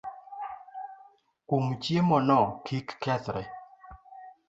Um chiemo no kik kethre